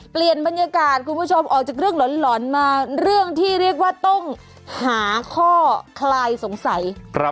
เปลี่ยนบรรยากาศคุณผู้ชมออกจากเรื่องหล่อนมาเรื่องที่เรียกว่าต้องหาข้อคลายสงสัย